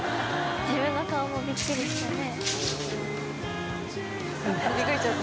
自分の顔もびっくりしたね。